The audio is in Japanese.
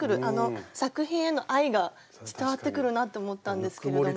作品への愛が伝わってくるなって思ったんですけれども。